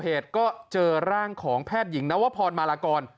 เหตุก็เจอร่างของแพทย์หญิงนวพรมาลากร